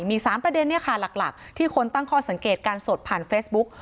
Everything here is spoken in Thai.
มีสามประเด็นเนี้ยค่ะหลักหลักที่คนตั้งคอสังเกตการสดผ่านเฟซบุ๊ก